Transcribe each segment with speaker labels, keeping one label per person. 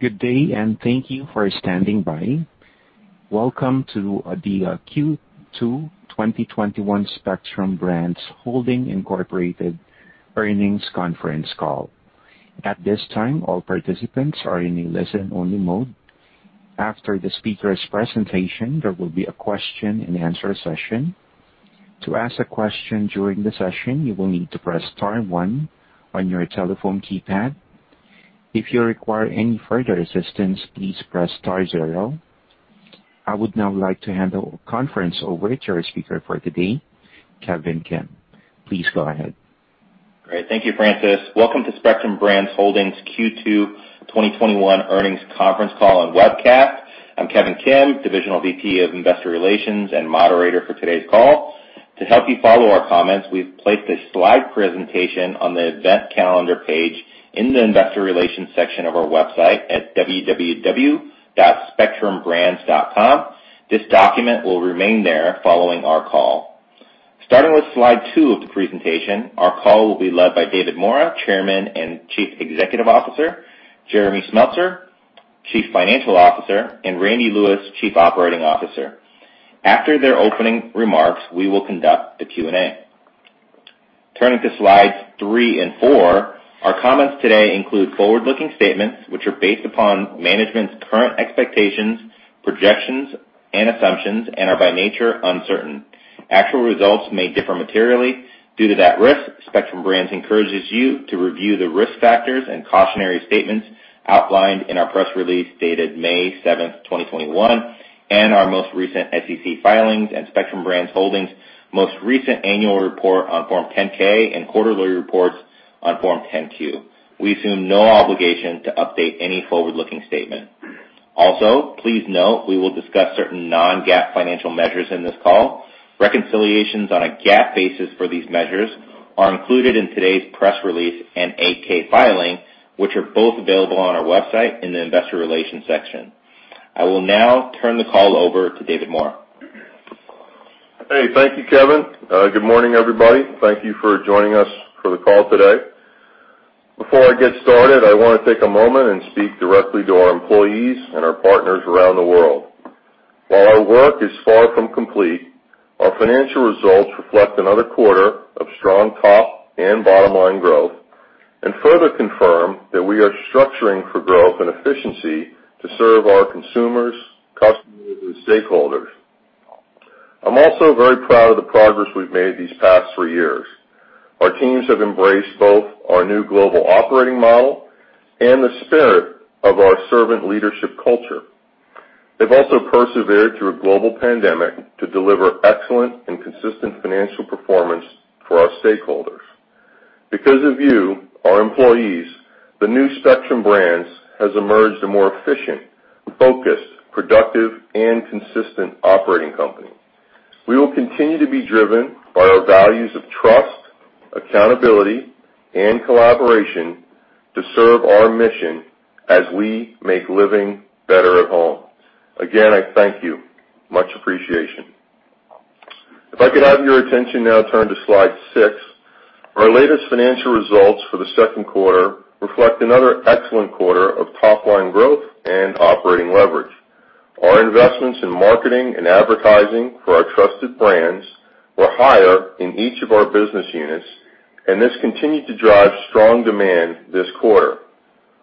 Speaker 1: Good day and thank you for standing by. Welcome to the Q2 2021 Spectrum Brands Holdings, Inc earnings conference call. At this time, all participants are in a listen-only mode. After the speaker's presentation, there will be a question-and-answer session. To ask a question during the session, you will need to press star one on your telephone keypad. If you require any further assistance, please press star zero. I would now like to hand the conference over to our speaker for today, Kevin Kim. Please go ahead.
Speaker 2: Great. Thank you, Francis. Welcome to Spectrum Brands Holdings Q2 2021 earnings conference call and webcast. I'm Kevin Kim, Divisional VP of Investor Relations and moderator for today's call. To help you follow our comments, we've placed a slide presentation on the event calendar page in the Investor Relations section of our website at www.spectrumbrands.com. This document will remain there following our call. Starting with slide two of the presentation, our call will be led by David Maura, Chairman and Chief Executive Officer, Jeremy Smeltser, Chief Financial Officer, and Randy Lewis, Chief Operating Officer. After their opening remarks, we will conduct the Q&A. Turning to slides three and four, our comments today include forward-looking statements which are based upon management's current expectations, projections, and assumptions and are by nature, uncertain. Actual results may differ materially due to that risk. Spectrum Brands encourages you to review the risk factors and cautionary statements outlined in our press release dated May 7th, 2021, and our most recent SEC filings and Spectrum Brands Holdings most recent annual report on Form 10-K and quarterly reports on Form 10-Q. We assume no obligation to update any forward-looking statement. Also, please note we will discuss certain non-GAAP financial measures in this call. Reconciliations on a GAAP basis for these measures are included in today's press release and 8-K filing, which are both available on our website in the Investor Relations section. I will now turn the call over to David Maura.
Speaker 3: Hey, thank you, Kevin. Good morning, everybody. Thank you for joining us for the call today. Before I get started, I want to take a moment and speak directly to our employees and our partners around the world. While our work is far from complete, our financial results reflect another quarter of strong top- and bottom-line growth and further confirm that we are structuring for growth and efficiency to serve our consumers, customers, and stakeholders. I'm also very proud of the progress we've made these past three years. Our teams have embraced both our new global operating model and the spirit of our servant leadership culture. They've also persevered through a global pandemic to deliver excellent and consistent financial performance for our stakeholders. Because of you, our employees, the new Spectrum Brands has emerged a more efficient, focused, productive, and consistent operating company. We will continue to be driven by our values of trust, accountability, and collaboration to serve our mission as we make living better at home. Again, I thank you. Much appreciation. If I could have your attention now turn to slide six. Our latest financial results for the second quarter reflect another excellent quarter of top-line growth and operating leverage. Our investments in marketing and advertising for our trusted brands were higher in each of our business units, and this continued to drive strong demand this quarter.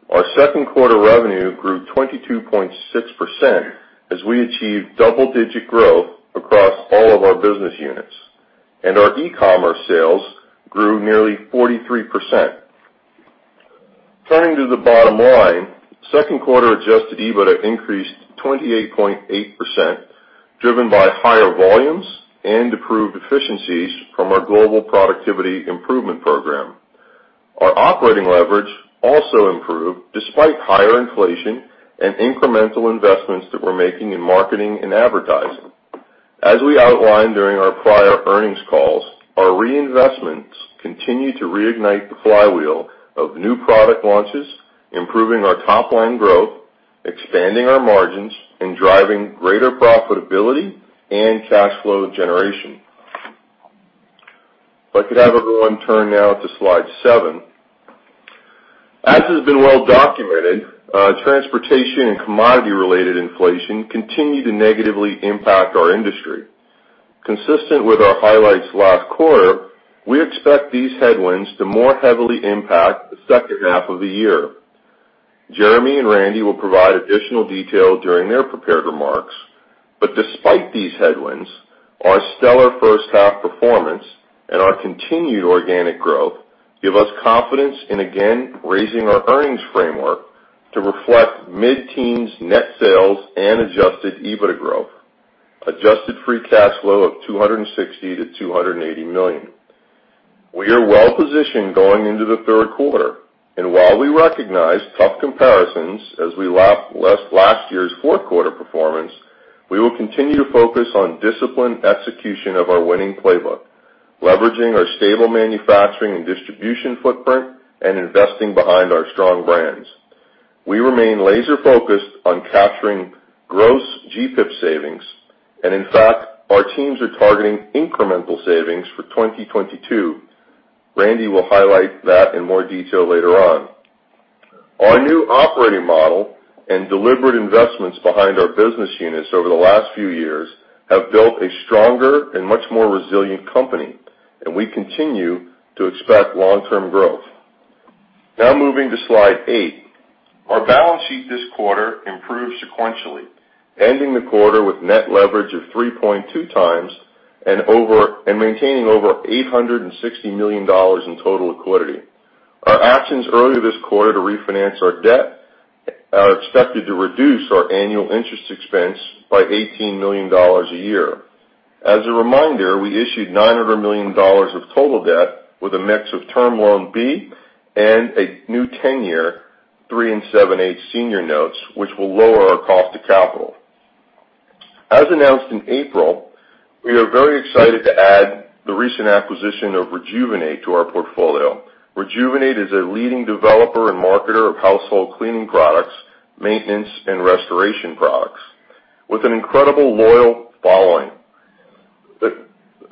Speaker 3: Our second quarter revenue grew 22.6% as we achieved double-digit growth across all of our business units, and our e-commerce sales grew nearly 43%. Turning to the bottom line, second quarter adjusted EBITDA increased 28.8%, driven by higher volumes and improved efficiencies from our Global Productivity Improvement Program. Our operating leverage also improved despite higher inflation and incremental investments that we're making in marketing and advertising. As we outlined during our prior earnings calls, our reinvestments continue to reignite the flywheel of new product launches, improving our top-line growth, expanding our margins, and driving greater profitability and cash flow generation. If I could have everyone turn now to slide seven. As has been well-documented, transportation and commodity-related inflation continue to negatively impact our industry. Consistent with our highlights last quarter, we expect these headwinds to more heavily impact the second half of the year. Jeremy and Randy will provide additional detail during their prepared remarks. Despite these headwinds, our stellar first half performance and our continued organic growth give us confidence in again raising our earnings framework to reflect mid-teens net sales and adjusted EBITDA growth, adjusted free cash flow of $260 million-$280 million. We are well-positioned going into the third quarter, and while we recognize tough comparisons as we lap last year's fourth quarter performance, we will continue to focus on disciplined execution of our winning playbook, leveraging our stable manufacturing and distribution footprint and investing behind our strong brands. We remain laser-focused on capturing gross GPIP savings. In fact, our teams are targeting incremental savings for 2022. Randy will highlight that in more detail later on. Our new operating model and deliberate investments behind our business units over the last few years have built a stronger and much more resilient company, and we continue to expect long-term growth. Now, moving to slide eight. Our balance sheet this quarter improved sequentially, ending the quarter with net leverage of 3.2x and maintaining over $860 million in total liquidity. Our actions earlier this quarter to refinance our debt are expected to reduce our annual interest expense by $18 million a year. As a reminder, we issued $900 million of total debt with a mix of Term Loan B and a new 10-year 3 and 7/8 senior notes, which will lower our cost of capital. As announced in April, we are very excited to add the recent acquisition of Rejuvenate to our portfolio. Rejuvenate is a leading developer and marketer of household cleaning products, maintenance, and restoration products, with an incredible loyal following.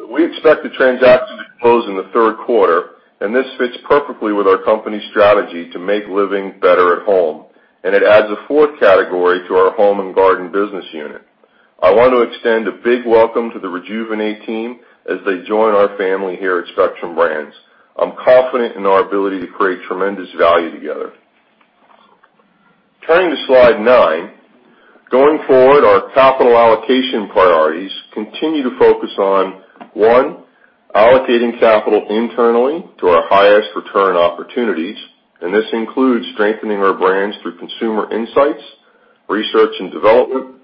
Speaker 3: We expect the transaction to close in the third quarter, and this fits perfectly with our company's strategy to make living better at home. It adds a fourth category to Home & Garden business unit. I want to extend a big welcome to the Rejuvenate team as they join our family here at Spectrum Brands. I'm confident in our ability to create tremendous value together. Turning to slide nine. Going forward, our capital allocation priorities continue to focus on, one, allocating capital internally to our highest return opportunities, and this includes strengthening our brands through consumer insights, research and development,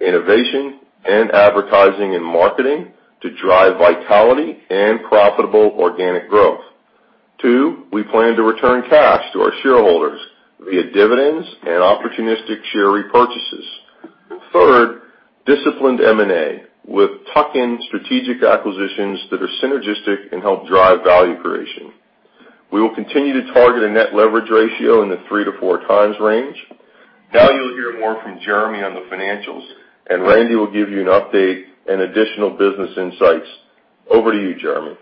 Speaker 3: innovation, and advertising and marketing to drive vitality and profitable organic growth. Two, we plan to return cash to our shareholders via dividends and opportunistic share repurchases. Third, disciplined M&A with tuck-in strategic acquisitions that are synergistic and help drive value creation. We will continue to target a net leverage ratio in the 3x-4x range. Now, you'll hear more from Jeremy on the financials, and Randy will give you an update and additional business insights. Over to you, Jeremy.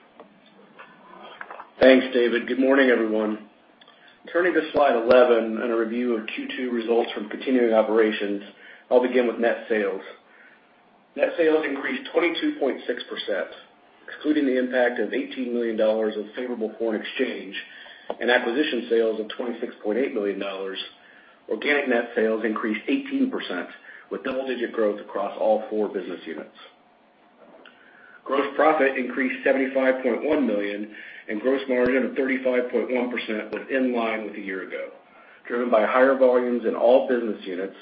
Speaker 4: Thanks, David. Good morning, everyone. Turning to slide 11 and a review of Q2 results from continuing operations. I'll begin with net sales. Net sales increased 22.6%, excluding the impact of $18 million of favorable foreign exchange and acquisition sales of $26.8 million. Organic net sales increased 18% with double-digit growth across all four business units. Gross profit increased $75.1 million, and gross margin of 35.1% was in line with a year ago, driven by higher volumes in all business units,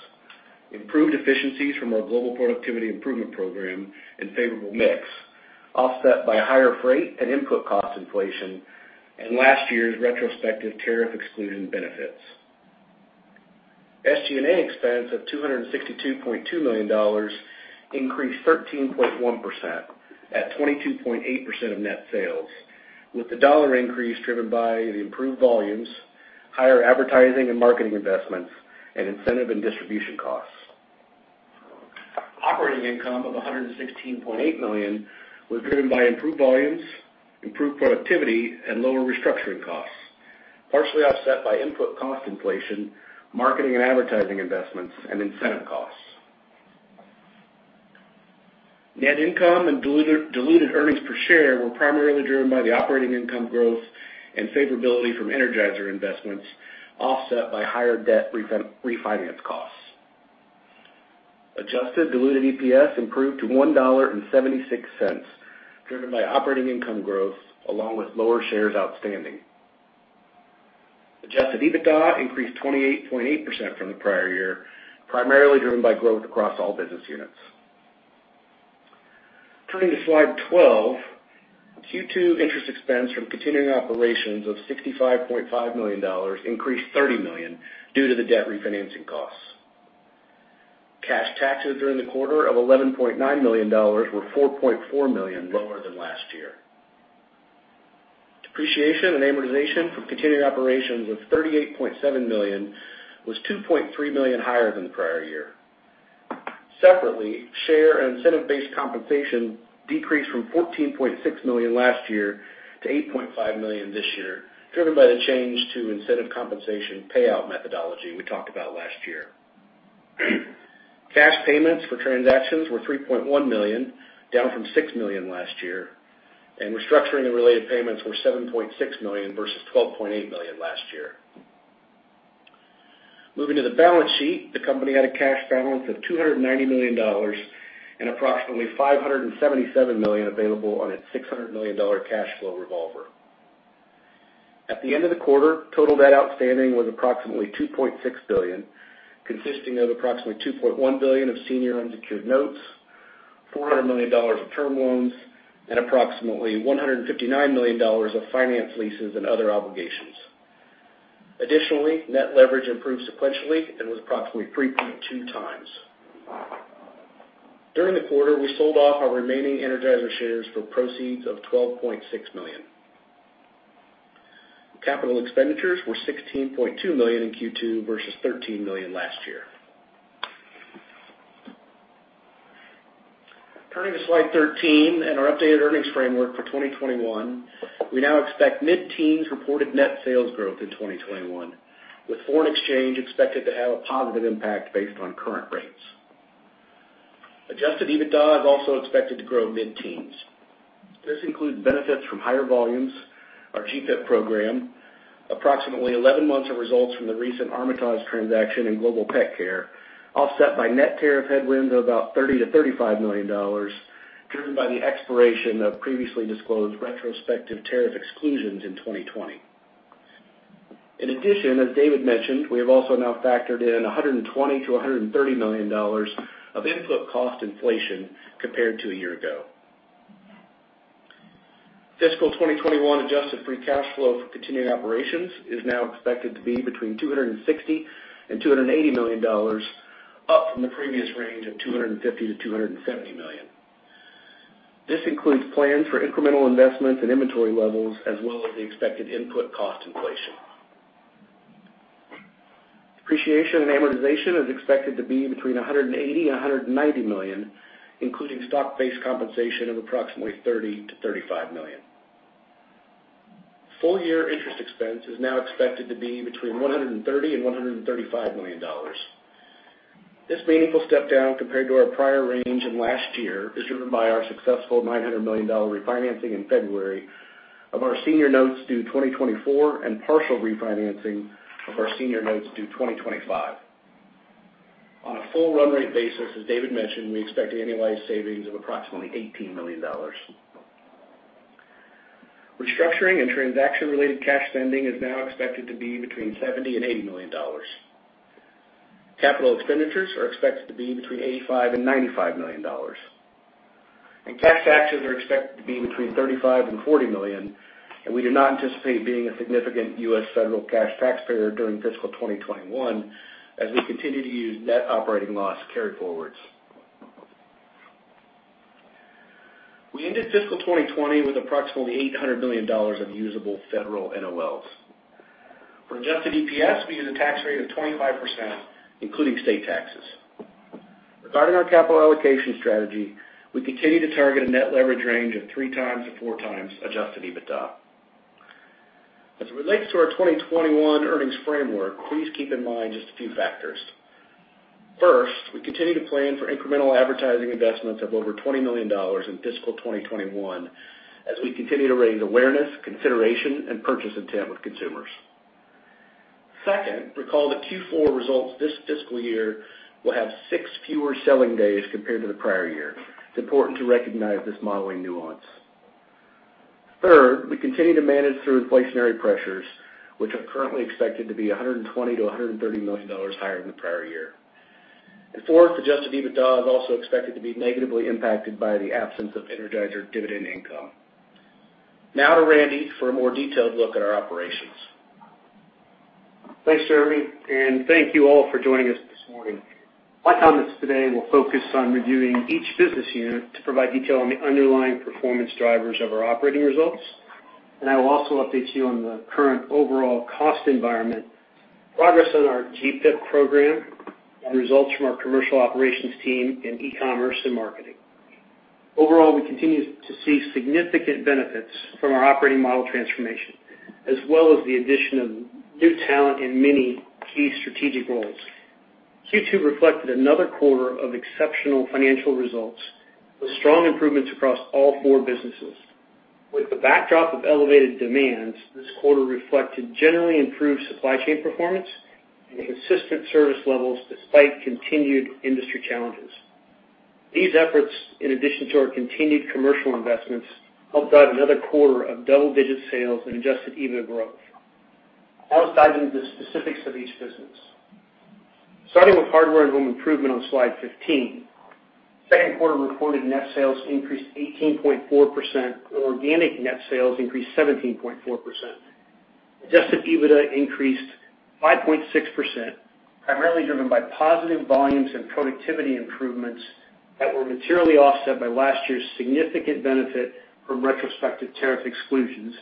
Speaker 4: improved efficiencies from our Global Productivity Improvement Program and favorable mix, offset by higher freight and input cost inflation and last year's retrospective tariff exclusion benefits. SG&A expense of $262.2 million increased 13.1% at 22.8% of net sales, with the dollar increase driven by the improved volumes, higher advertising and marketing investments, and incentive and distribution costs. Operating income of $116.8 million was driven by improved volumes, improved productivity, and lower restructuring costs, partially offset by input cost inflation, marketing and advertising investments, and incentive costs. Net income and diluted earnings per share were primarily driven by the operating income growth and favorability from Energizer investments, offset by higher debt refinance costs. Adjusted diluted EPS improved to $1.76, driven by operating income growth along with lower shares outstanding. Adjusted EBITDA increased 28.8% from the prior year, primarily driven by growth across all business units. Turning to slide 12. Q2 interest expense from continuing operations of $65.5 million increased $30 million due to the debt refinancing costs. Cash taxes during the quarter of $11.9 million were $4.4 million lower than last year. Depreciation and amortization from continuing operations was $38.7 million, was $2.3 million higher than the prior year. Separately, share and incentive-based compensation decreased from $14.6 million last year to $8.5 million this year, driven by the change to incentive compensation payout methodology we talked about last year. Cash payments for transactions were $3.1 million, down from $6 million last year, and restructuring and related payments were $7.6 million versus $12.8 million last year. Moving to the balance sheet. The company had a cash balance of $290 million and approximately $577 million available on its $600 million cash flow revolver. At the end of the quarter, total debt outstanding was approximately $2.6 billion, consisting of approximately $2.1 billion of senior unsecured notes, $400 million of term loans, and approximately $159 million of finance leases and other obligations. Additionally, net leverage improved sequentially and was approximately 3.2x. During the quarter, we sold off our remaining Energizer shares for proceeds of $12.6 million. Capital expenditures were $16.2 million in Q2 versus $13 million last year. Turning to slide 13 and our updated earnings framework for 2021. We now expect mid-teens reported net sales growth in 2021, with foreign exchange expected to have a positive impact based on current rates. Adjusted EBITDA is also expected to grow mid-teens. This includes benefits from higher volumes, our GPIP program, approximately 11 months of results from the recent Armitage transaction in Global Pet Care, offset by net tariff headwind of about $30 million-$35 million, driven by the expiration of previously disclosed retrospective tariff exclusions in 2020. In addition, as David mentioned, we have also now factored in $120 million-$130 million of input cost inflation compared to a year ago. Fiscal 2021 adjusted free cash flow for continuing operations is now expected to be between $260 million and $280 million, up from the previous range of $250 million-$270 million. This includes plans for incremental investments and inventory levels, as well as the expected input cost inflation. Depreciation and amortization is expected to be between $180 million and $190 million, including stock-based compensation of approximately $30 million-$35 million. Full-year interest expense is now expected to be between $130 million and $135 million. This meaningful step down compared to our prior range of last year is driven by our successful $900 million refinancing in February of our senior notes due 2024 and partial refinancing of our senior notes due 2025. On a full run rate basis, as David mentioned, we expect annualized savings of approximately $18 million. Restructuring and transaction-related cash spending is now expected to be between $70 million and $80 million. Capital expenditures are expected to be between $85 million and $95 million. Taxes are expected to be between $35 million and $40 million, and we do not anticipate being a significant U.S. federal cash taxpayer during fiscal 2021 as we continue to use net operating loss carryforwards. We ended fiscal 2020 with approximately $800 million of usable federal NOLs. For adjusted EPS, we use a tax rate of 25%, including state taxes. Regarding our capital allocation strategy, we continue to target a net leverage range of 3x-4x adjusted EBITDA. As it relates to our 2021 earnings framework, please keep in mind just a few factors. First, we continue to plan for incremental advertising investments of over $20 million in fiscal 2021 as we continue to raise awareness, consideration, and purchase intent with consumers. Second, recall the Q4 results this fiscal year will have six fewer selling days compared to the prior year. It's important to recognize this modeling nuance. Third, we continue to manage through inflationary pressures, which are currently expected to be $120 million-$130 million higher than the prior year. Fourth, adjusted EBITDA is also expected to be negatively impacted by the absence of Energizer dividend income. Now, to Randy for a more detailed look at our operations.
Speaker 5: Thanks, Jeremy, and thank you all for joining us this morning. My comments today will focus on reviewing each business unit to provide detail on the underlying performance drivers of our operating results, and I will also update you on the current overall cost environment, progress on our GPIP program, and results from our commercial operations team in e-commerce and marketing. Overall, we continue to see significant benefits from our operating model transformation, as well as the addition of new talent in many key strategic roles. Q2 reflected another quarter of exceptional financial results with strong improvements across all four businesses. With the backdrop of elevated demands, this quarter reflected generally improved supply chain performance and consistent service levels despite continued industry challenges. These efforts, in addition to our continued commercial investments, helped guide another quarter of double-digit sales and adjusted EBITDA growth. I'll dive into the specifics of each business. Starting with Hardware & Home Improvement on slide 15. Second quarter reported net sales increased 18.4%, organic net sales increased 17.4%. Adjusted EBITDA increased 5.6%, primarily driven by positive volumes and productivity improvements that were materially offset by last year's significant benefit from retrospective tariff exclusions,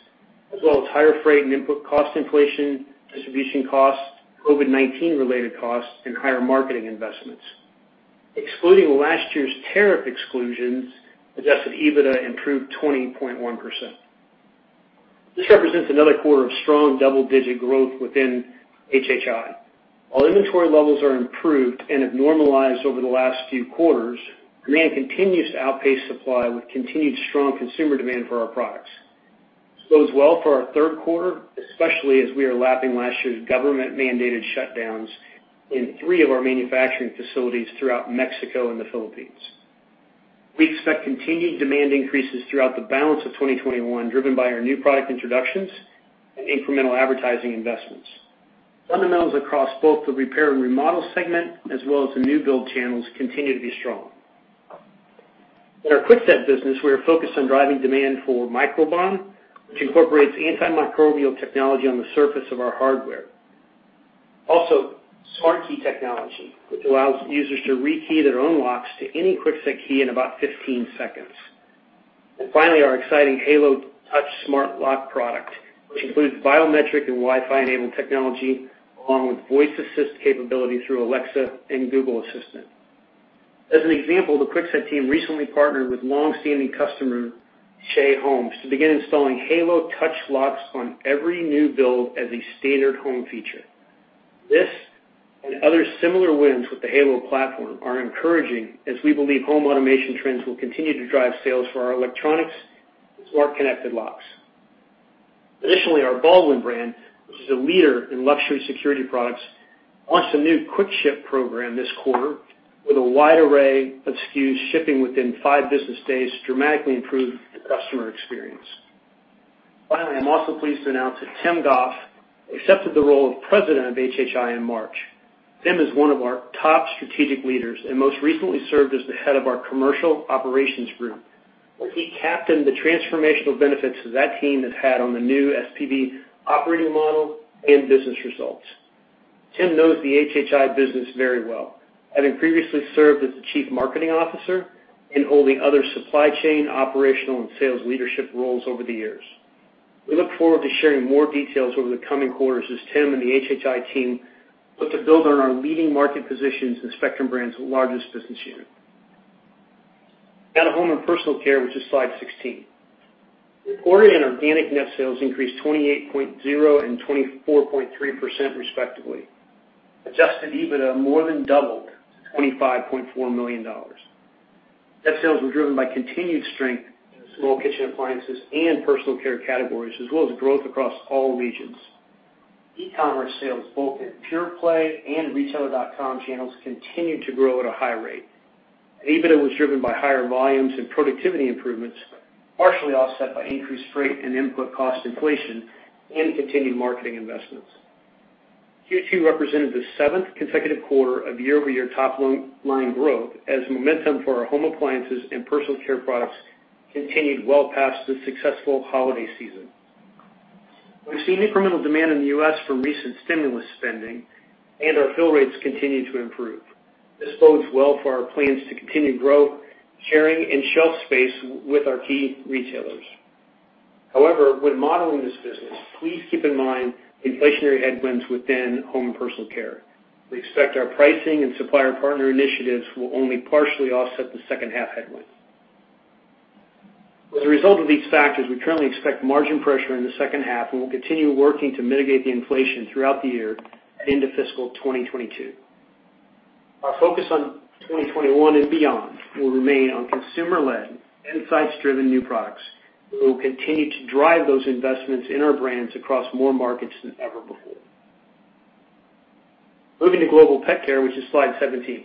Speaker 5: as well as higher freight and input cost inflation, distribution costs, COVID-19 related costs, and higher marketing investments. Excluding last year's tariff exclusions, adjusted EBITDA improved 20.1%. This represents another quarter of strong double-digit growth within HHI. While inventory levels are improved and have normalized over the last few quarters, demand continues to outpace supply with continued strong consumer demand for our products. This bodes well for our third quarter, especially as we are lapping last year's government-mandated shutdowns in three of our manufacturing facilities throughout Mexico and the Philippines. We expect continued demand increases throughout the balance of 2021, driven by our new product introductions and incremental advertising investments. Fundamentals across both the repair and remodel segment, as well as the new build channels, continue to be strong. In our Kwikset business, we are focused on driving demand for Microban, which incorporates antimicrobial technology on the surface of our hardware. Also, SmartKey technology, which allows users to rekey their own locks to any Kwikset key in about 15 seconds. Finally, our exciting Halo Touch smart lock product, which includes biometric and Wi-Fi-enabled technology, along with voice assist capability through Alexa and Google Assistant. As an example, the Kwikset team recently partnered with longstanding customer Shea Homes to begin installing Halo Touch locks on every new build as a standard home feature. This and other similar wins with the Halo platform are encouraging, as we believe home automation trends will continue to drive sales for our electronics and smart connected locks. Additionally, our Baldwin brand, which is a leader in luxury security products, launched a new Quick Ship program this quarter with a wide array of SKUs shipping within five business days, dramatically improved the customer experience. Finally, I'm also pleased to announce that Tim Goff accepted the role of President of HHI in March. Tim is one of our top strategic leaders and most recently served as the head of our commercial operations group, where he captained the transformational benefits that team has had on the new SPB operating model and business results. Tim knows the HHI business very well, having previously served as the Chief Marketing Officer and holding other supply chain, operational, and sales leadership roles over the years. We look forward to sharing more details over the coming quarters as Tim and the HHI team look to build on our leading market positions in Spectrum Brands' largest business unit. Now to Home & Personal Care, which is slide 16. Reported and organic net sales increased 28.0% and 24.3%, respectively. Adjusted EBITDA more than doubled to $25.4 million. Net sales were driven by continued strength in the small kitchen appliances and personal care categories, as well as growth across all regions. E-commerce sales, both in pure-play and retailer.com channels, continued to grow at a high rate. EBITDA was driven by higher volumes and productivity improvements, partially offset by increased freight and input cost inflation and continued marketing investments. Q2 represented the seventh consecutive quarter of year-over-year top-line growth as momentum for our home appliances and personal care products continued well past the successful holiday season. We've seen incremental demand in the U.S. from recent stimulus spending, and our fill rates continue to improve. This bodes well for our plans to continue growth, sharing, and shelf space with our key retailers. However, when modeling this business, please keep in mind inflationary headwinds within Home & Personal Care. We expect our pricing and supplier partner initiatives will only partially offset the second half headwind. As a result of these factors, we currently expect margin pressure in the second half, and we'll continue working to mitigate the inflation throughout the year and into fiscal 2022. Our focus on 2021 and beyond will remain on consumer-led, insights-driven new products. We will continue to drive those investments in our brands across more markets than ever before. Moving to Global Pet Care, which is slide 17.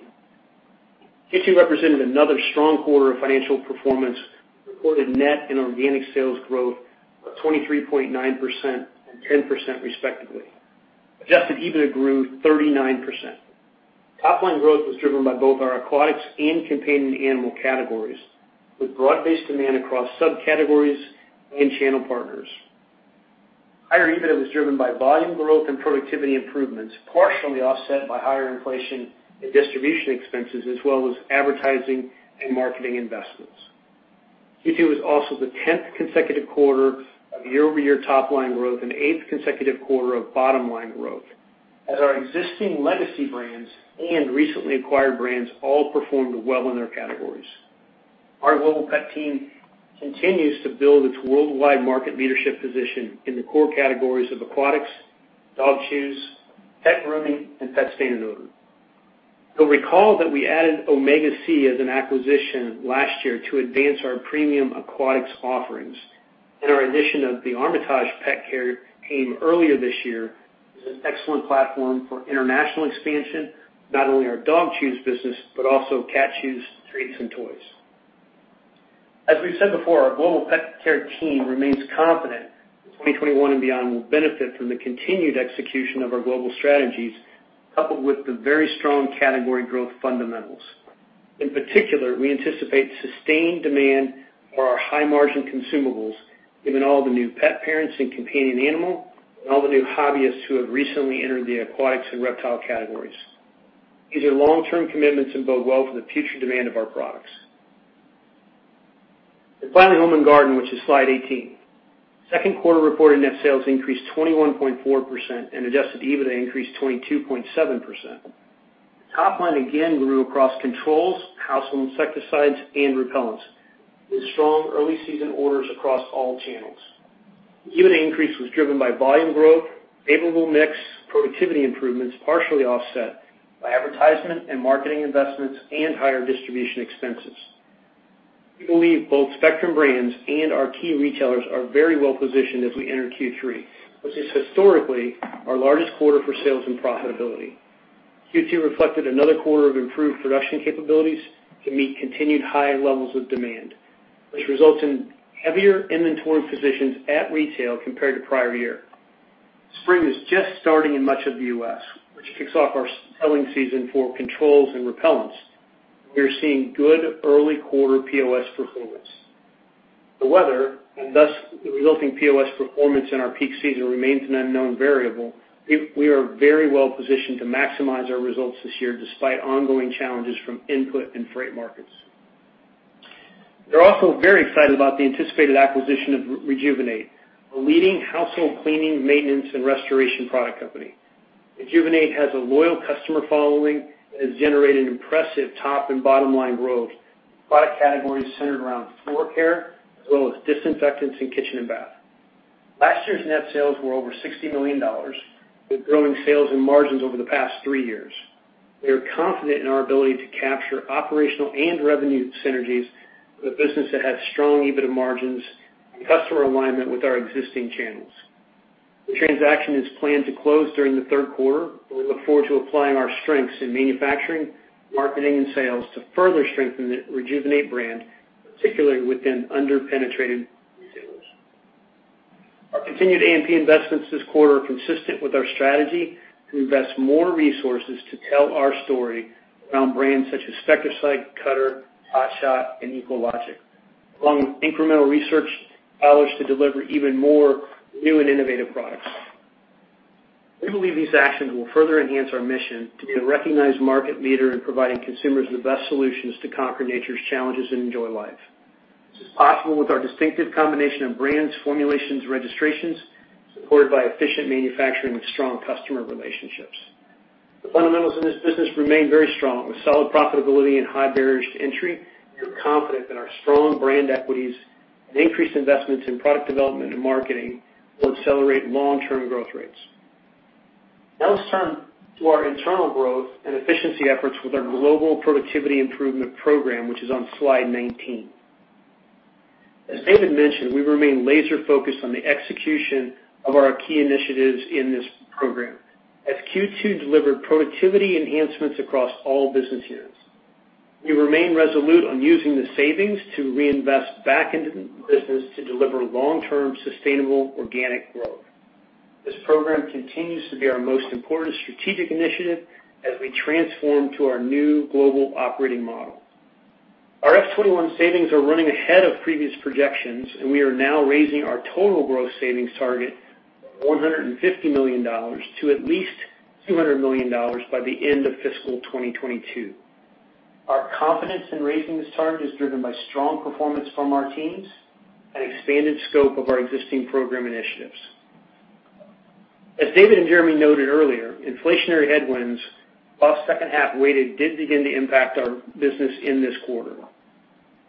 Speaker 5: Q2 represented another strong quarter of financial performance, with reported net and organic sales growth of 23.9% and 10%, respectively. Adjusted EBITDA grew 39%. Top-line growth was driven by both our aquatics and companion animal categories, with broad-based demand across subcategories and channel partners. Higher EBITDA was driven by volume growth and productivity improvements, partially offset by higher inflation and distribution expenses, as well as advertising and marketing investments. Q2 was also the 10th consecutive quarter of year-over-year top-line growth and eighth consecutive quarter of bottom-line growth as our existing legacy brands and recently acquired brands all performed well in their categories. Our Global Pet team continues to build its worldwide market leadership position in the core categories of aquatics, dog chews, pet grooming, and pet stain and odor. You'll recall that we added Omega Sea as an acquisition last year to advance our premium aquatics offerings. Our addition of the Armitage Pet Care team earlier this year is an excellent platform for international expansion of not only our dog chews business, but also cat chews, treats, and toys. As we've said before, our Global Pet Care team remains confident that 2021 and beyond will benefit from the continued execution of our global strategies, coupled with the very strong category growth fundamentals. In particular, we anticipate sustained demand for our high-margin consumables, given all the new pet parents in companion animal and all the new hobbyists who have recently entered the aquatics and reptile categories. These are long-term commitments and bode well for the future demand of our products. Finally, Home & Garden, which is slide 18. Second quarter reported net sales increased 21.4%, and adjusted EBITDA increased 22.7%. Topline again grew across controls, household insecticides, and repellents with strong early season orders across all channels. The EBITDA increase was driven by volume growth, favorable mix, productivity improvements, partially offset by advertisement and marketing investments and higher distribution expenses. We believe both Spectrum Brands and our key retailers are very well-positioned as we enter Q3, which is historically our largest quarter for sales and profitability. Q2 reflected another quarter of improved production capabilities to meet continued high levels of demand, which results in heavier inventory positions at retail compared to prior year. Spring is just starting in much of the U.S., which kicks off our selling season for controls and repellents. We are seeing good early quarter POS performance. The weather, and thus the resulting POS performance in our peak season, remains an unknown variable. We are very well-positioned to maximize our results this year despite ongoing challenges from input and freight markets. They are also very excited about the anticipated acquisition of Rejuvenate, a leading household cleaning, maintenance, and restoration product company. Rejuvenate has a loyal customer following that has generated impressive top- and bottom-line growth, product categories centered around floor care, as well as disinfectants in kitchen and bath. Last year's net sales were over $60 million, with growing sales and margins over the past three years. We are confident in our ability to capture operational and revenue synergies for the business that has strong EBITDA margins and customer alignment with our existing channels. The transaction is planned to close during the third quarter, and we look forward to applying our strengths in manufacturing, marketing, and sales to further strengthen the Rejuvenate brand, particularly within under-penetrated retailers. Our continued A&P investments this quarter are consistent with our strategy to invest more resources to tell our story around brands such as Spectracide, Cutter, Hot Shot, and EcoLogic, along with incremental research dollars to deliver even more new and innovative products. We believe these actions will further enhance our mission to be a recognized market leader in providing consumers the best solutions to conquer nature's challenges and enjoy life. This is possible with our distinctive combination of brands, formulations, registrations, supported by efficient manufacturing and strong customer relationships. The fundamentals in this business remain very strong with solid profitability and high barriers to entry. We are confident that our strong brand equities and increased investments in product development and marketing will accelerate long-term growth rates. Let's turn to our internal growth and efficiency efforts with our Global Productivity Improvement Program, which is on slide 19. As David mentioned, we remain laser-focused on the execution of our key initiatives in this program, as Q2 delivered productivity enhancements across all business units. We remain resolute on using the savings to reinvest back into the business to deliver long-term, sustainable organic growth. This program continues to be our most important strategic initiative as we transform to our new global operating model. Our F 2021 savings are running ahead of previous projections, and we are now raising our total growth savings target of $150 million to at least $200 million by the end of fiscal 2022. Our confidence in raising this target is driven by strong performance from our teams and expanded scope of our existing program initiatives. As David and Jeremy noted earlier, inflationary headwinds, while second half weighted, did begin to impact our business in this quarter.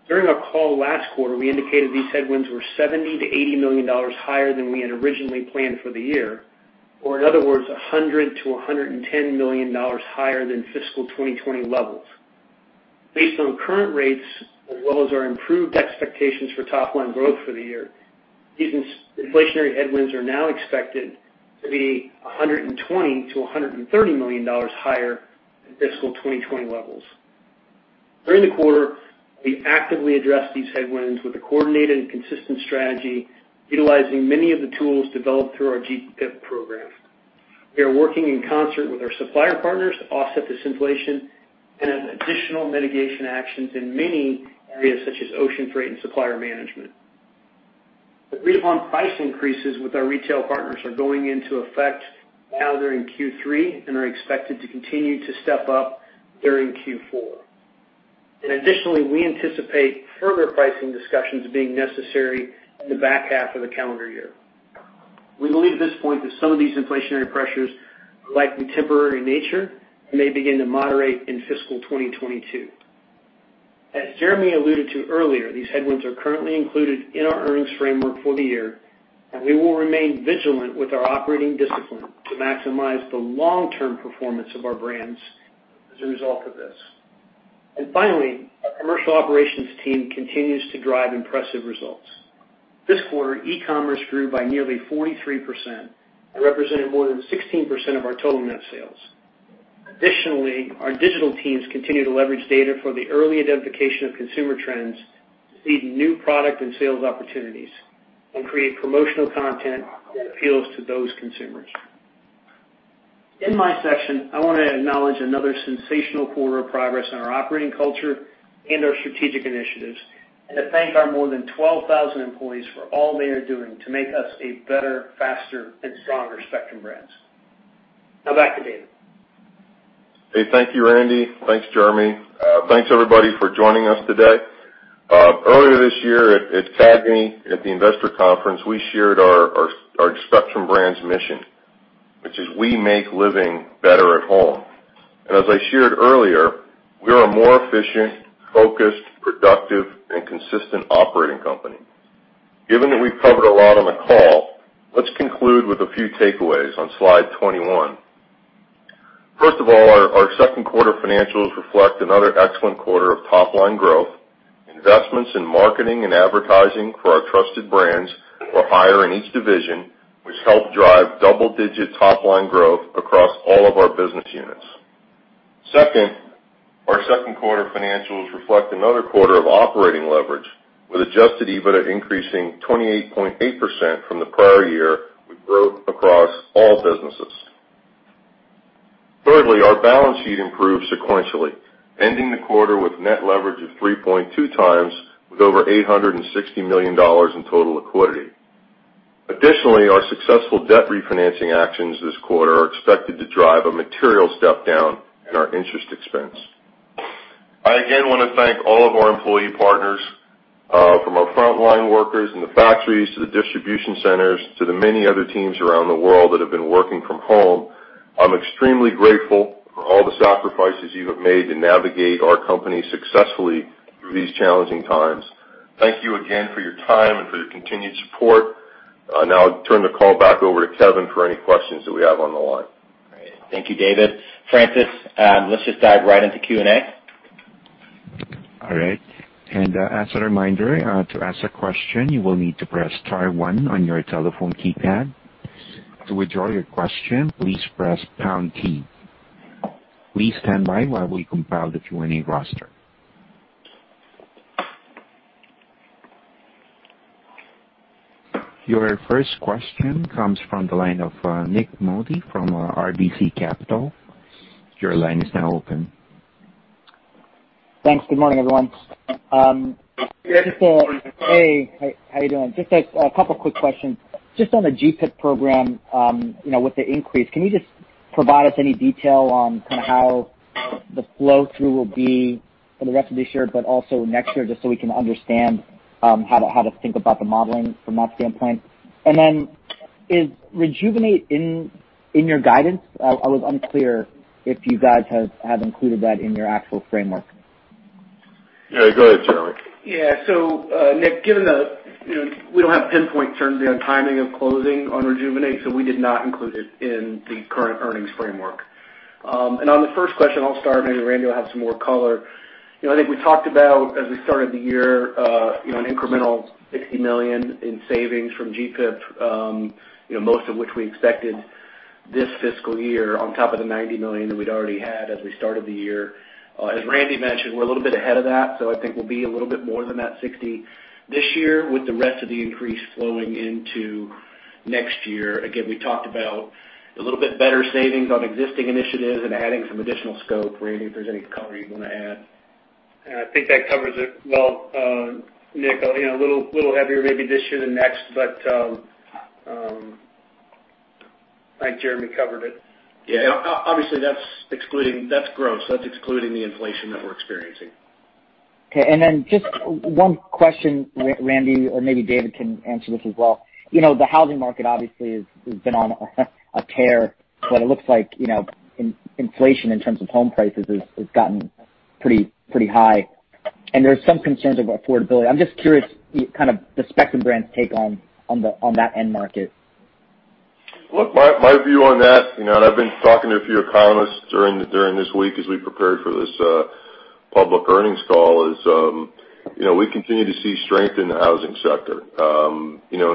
Speaker 5: During our call last quarter, we indicated these headwinds were $70 million-$80 million higher than we had originally planned for the year or in other words, $100 million-$110 million higher than fiscal 2020 levels. Based on current rates as well as our improved expectations for top-line growth for the year, these inflationary headwinds are now expected to be $120 million-$130 million higher than fiscal 2020 levels. During the quarter, we actively addressed these headwinds with a coordinated and consistent strategy utilizing many of the tools developed through our GPIP program. We are working in concert with our supplier partners to offset this inflation and have additional mitigation actions in many areas such as ocean freight and supplier management. Agreed-upon price increases with our retail partners are going into effect now during Q3 and are expected to continue to step up during Q4. Additionally, we anticipate further pricing discussions being necessary in the back half of the calendar year. We believe at this point that some of these inflationary pressures are likely temporary in nature and may begin to moderate in fiscal 2022. As Jeremy alluded to earlier, these headwinds are currently included in our earnings framework for the year, and we will remain vigilant with our operating discipline to maximize the long-term performance of our brands as a result of this. Finally, our commercial operations team continues to drive impressive results. This quarter, e-commerce grew by nearly 43% and represented more than 16% of our total net sales. Additionally, our digital teams continue to leverage data for the early identification of consumer trends to seed new product and sales opportunities and create promotional content that appeals to those consumers. In my section, I want to acknowledge another sensational quarter of progress in our operating culture and our strategic initiatives and to thank our more than 12,000 employees for all they are doing to make us a better, faster, and stronger Spectrum Brands. Now, back to David.
Speaker 3: Hey, thank you, Randy. Thanks, Jeremy. Thanks, everybody, for joining us today. Earlier this year at CAGNY, at the investor conference, we shared our Spectrum Brands mission, which is we make living better at home. As I shared earlier, we are a more efficient, focused, productive, and consistent operating company. Given that we've covered a lot on the call, let's conclude with a few takeaways on slide 21. First of all, our second quarter financials reflect another excellent quarter of top-line growth. Investments in marketing and advertising for our trusted brands were higher in each division, which helped drive double-digit top-line growth across all of our business units. Second, our second quarter financials reflect another quarter of operating leverage with adjusted EBITDA increasing 28.8% from the prior year with growth across all businesses. Thirdly, our balance sheet improved sequentially, ending the quarter with net leverage of 3.2x with over $860 million in total liquidity. Additionally, our successful debt refinancing actions this quarter are expected to drive a material step down in our interest expense. I, again, want to thank all of our employee partners, from our frontline workers in the factories to the distribution centers, to the many other teams around the world that have been working from home. I'm extremely grateful for all the sacrifices you have made to navigate our company successfully through these challenging times. Thank you again for your time and for your continued support. I'll now turn the call back over to Kevin for any questions that we have on the line.
Speaker 2: Great. Thank you, David. Francis, let's just dive right into Q&A.
Speaker 1: All right. As a reminder, to ask a question, you will need to press star one on your telephone keypad. To withdraw your question, please press pound key. Please stand by while we compile the Q&A roster. Your first question comes from the line of Nik Modi from RBC Capital. Your line is now open.
Speaker 6: Thanks. Good morning, everyone.
Speaker 3: Hey, Nik.
Speaker 6: Hey. How you doing? Just a couple of quick questions. Just on the GPIP program, with the increase, can you just provide us any detail on how the flow-through will be for the rest of this year, but also next year, just so we can understand how to think about the modeling from that standpoint? Then, is Rejuvenate in your guidance? I was unclear if you guys have included that in your actual framework.
Speaker 3: Yeah, go ahead, Jeremy.
Speaker 4: Yeah. So, Nik, given that we don't have pinpoint certainty on timing of closing on Rejuvenate, so we did not include it in the current earnings framework. On the first question, I'll start, maybe Randy will have some more color. I think we talked about, as we started the year, an incremental $60 million in savings from GPIP, most of which we expected this fiscal year on top of the $90 million that we'd already had as we started the year. As Randy mentioned, we're a little bit ahead of that, so I think we'll be a little bit more than that $60 million this year with the rest of the increase flowing into next year. Again, we talked about a little bit better savings on existing initiatives and adding some additional scope. Randy, if there's any color you want to add.
Speaker 5: I think that covers it well, Nik. A little heavier maybe this year than next, but I think Jeremy covered it.
Speaker 4: Yeah. Obviously, that's gross, that's excluding the inflation that we're experiencing.
Speaker 6: Okay, just one question, Randy, or maybe David can answer this as well. The housing market obviously has been on a tear, but it looks like inflation in terms of home prices has gotten pretty high, and there's some concerns about affordability. I'm just curious the Spectrum Brands' take on that end market.
Speaker 3: Look, my view on that, and I've been talking to a few economists during this week as we prepared for this public earnings call, is we continue to see strength in the housing sector.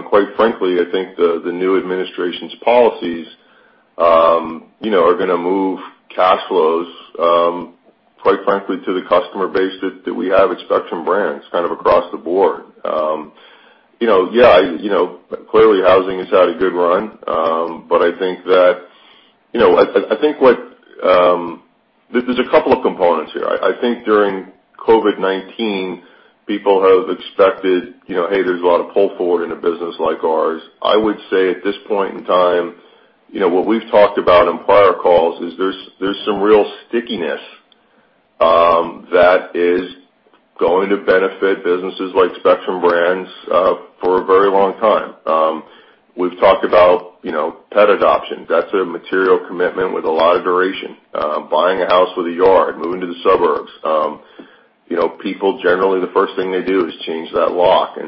Speaker 3: Quite frankly, I think the new administration's policies are going to move cash flows, quite frankly, to the customer base that we have at Spectrum Brands across the board. Yeah, clearly, housing has had a good run, but I think that there's a couple of components here. I think during COVID-19, people have expected, hey, there's a lot of pull forward in a business like ours. I would say at this point in time, what we've talked about in prior calls, is there's some real stickiness that is going to benefit businesses like Spectrum Brands for a very long time. We've talked about pet adoption. That's a material commitment with a lot of duration. Buying a house with a yard, moving to the suburbs. People, generally, the first thing they do is change that lock.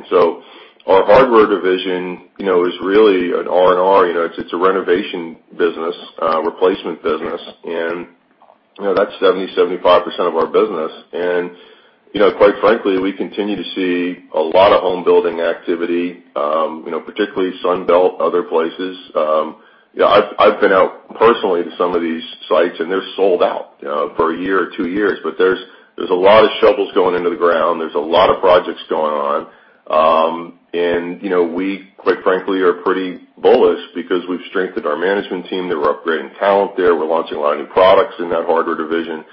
Speaker 3: Our hardware division is really an R&R. It's a renovation business, replacement business, and that's 70%, 75% of our business. Quite frankly, we continue to see a lot of home building activity, particularly Sun Belt, other places. I've been out personally to some of these sites, and they're sold out for a year or two years. There's a lot of shovels going into the ground. There's a lot of projects going on. We, quite frankly, are pretty bullish because we've strengthened our management team. They're upgrading talent there. We're launching a lot of new products in that hardware division.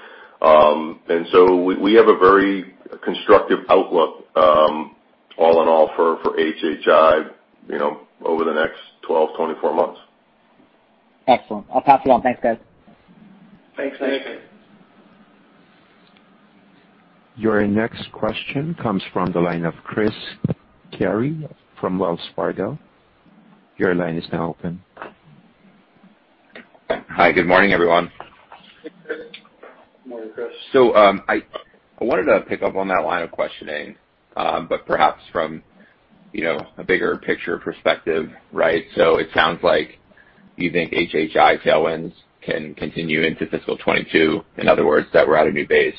Speaker 3: We have a very constructive outlook all in all for HHI over the next 12-24 months.
Speaker 6: Excellent. I'll pass it on. Thanks, guys.
Speaker 3: Thanks, Nik.
Speaker 4: Thanks.
Speaker 1: Your next question comes from the line of Chris Carey from Wells Fargo. Your line is now open.
Speaker 7: Hi. Good morning, everyone.
Speaker 3: Hey, Chris.
Speaker 5: Morning, Chris.
Speaker 7: I wanted to pick up on that line of questioning, but perhaps from a bigger picture perspective, right? It sounds like you think HHI tailwinds can continue into fiscal 2022. In other words, that we're at a new base.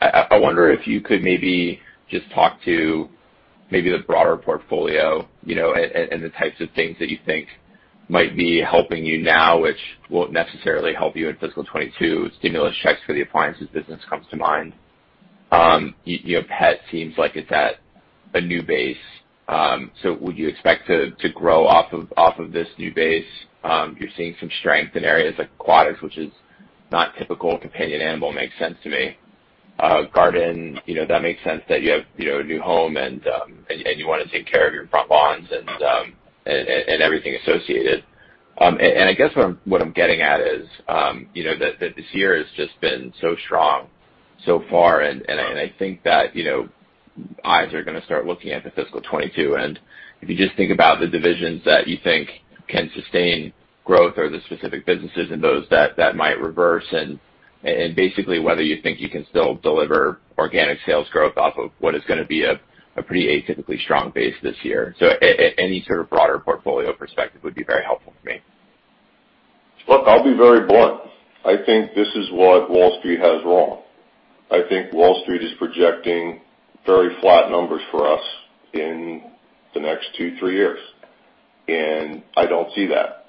Speaker 7: I wonder if you could maybe just talk to maybe the broader portfolio and the types of things that you think might be helping you now, which won't necessarily help you in fiscal 2022. Stimulus checks for the appliances business comes to mind. Pet seems like it's at a new base, so would you expect to grow off of this new base? You're seeing some strength in areas like aquatics, which is not typical. Companion animal makes sense to me. Garden, that makes sense that you have a new home and you want to take care of your front lawns and everything associated. I guess what I'm getting at is that this year has just been so strong so far, and I think that eyes are going to start looking at the fiscal 2022. If you just think about the divisions that you think can sustain growth or the specific businesses and those that might reverse, and basically, whether you think you can still deliver organic sales growth off of what is going to be a pretty atypically strong base this year. Any sort of broader portfolio perspective would be very helpful for me.
Speaker 3: Look, I'll be very blunt. I think this is what Wall Street has wrong. I think Wall Street is projecting very flat numbers for us in the next two, three years, and I don't see that.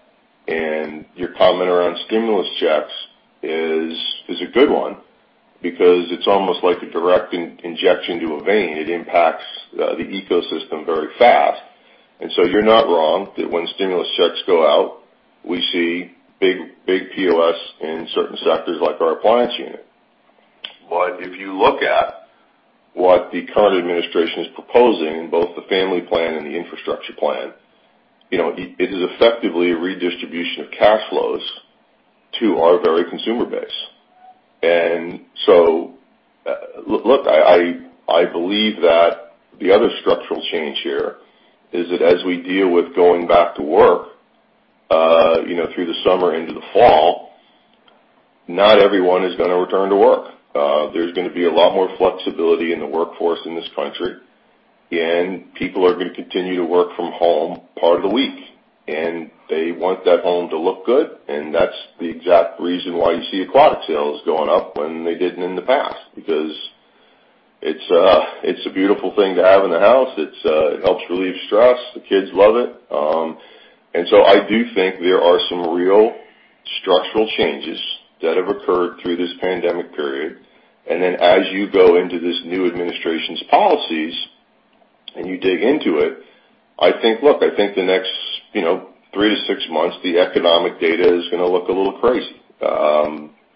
Speaker 3: Your comment around stimulus checks is a good one because it's almost like a direct injection to a vein. It impacts the ecosystem very fast. You're not wrong that when stimulus checks go out, we see big POS in certain sectors like our appliance unit. If you look at what the current administration is proposing, both the family plan and the infrastructure plan, it is effectively a redistribution of cash flows to our very consumer base. Look, I believe that the other structural change here is that as we deal with going back to work through the summer into the fall, not everyone is going to return to work. There's going to be a lot more flexibility in the workforce in this country, and people are going to continue to work from home part of the week, and they want that home to look good, and that's the exact reason why you see aquatic sales going up when they didn't in the past, because it's a beautiful thing to have in the house. It helps relieve stress. The kids love it. I do think there are some real structural changes that have occurred through this pandemic period. As you go into this new administration's policies and you dig into it, I think the next three to six months, the economic data is going to look a little crazy.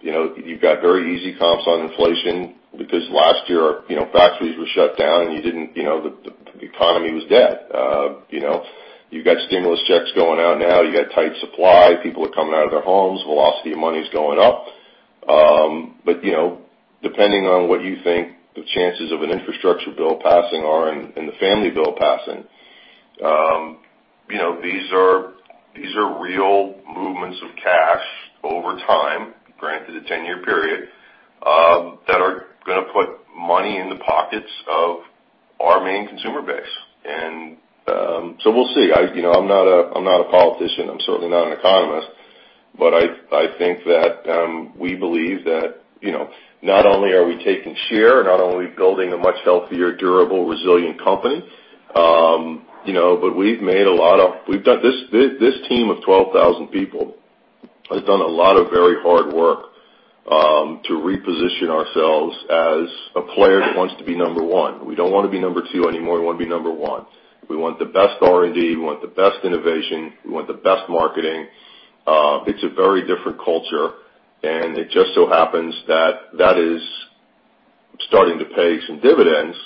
Speaker 3: You've got very easy comps on inflation because last year, factories were shut down and the economy was dead. You've got stimulus checks going out now. You got tight supply. People are coming out of their homes. Velocity of money is going up. But depending on what you think the chances of an infrastructure bill passing are and the family bill passing, these are real movements of cash over time, granted a 10-year period, that are going to put money in the pockets of our main consumer base. We'll see. I'm not a politician. I'm certainly not an economist, but I think that, we believe that, not only are we taking share, not only are we building a much healthier, durable, resilient company, but this team of 12,000 people has done a lot of very hard work to reposition ourselves as a player that wants to be number one. We don't want to be number two anymore. We want to be number one. We want the best R&D, we want the best innovation, we want the best marketing. It's a very different culture, and it just so happens that that is starting to pay some dividends,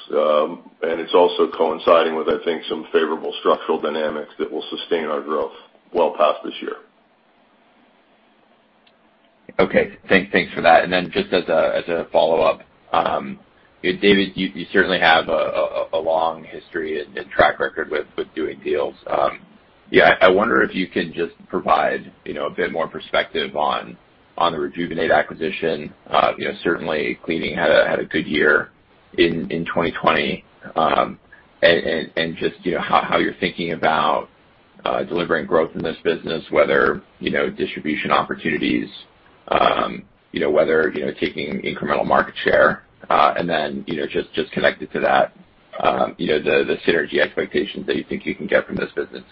Speaker 3: and it's also coinciding with, I think, some favorable structural dynamics that will sustain our growth well past this year.
Speaker 7: Okay. Thanks for that. Just as a follow-up, David, you certainly have a long history and track record with doing deals. I wonder if you can just provide a bit more perspective on the Rejuvenate acquisition. Certainly, cleaning had a good year in 2020, and just how you're thinking about delivering growth in this business, whether distribution opportunities, whether taking incremental market share, just connected to that the synergy expectations that you think you can get from this business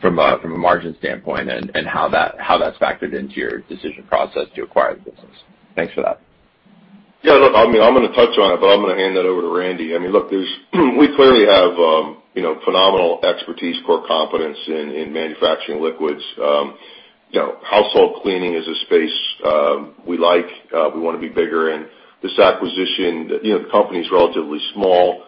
Speaker 7: from a margin standpoint and how that is factored into your decision process to acquire the business. Thanks for that.
Speaker 3: Yeah, look, I'm going to touch on it, but I'm going to hand that over to Randy. Look, we clearly have phenomenal expertise, core competence in manufacturing liquids. Household cleaning is a space we like, we want to be bigger in. This acquisition, the company's relatively small.